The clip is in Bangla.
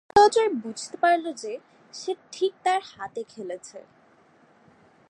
হঠাৎ অজয় বুঝতে পারল যে সে ঠিক তার হাতে খেলেছে।